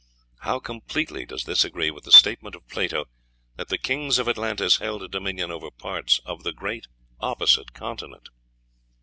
How completely does this agree with the statement of Plato that the kings of Atlantis held dominion over parts of "the great opposite continent!"